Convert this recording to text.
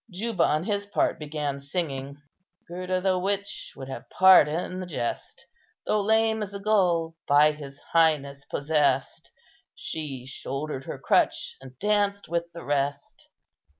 Juba on his part began singing— "Gurta the witch would have part in the jest; Though lame as a gull, by his highness possessed, She shouldered her crutch, and danced with the rest.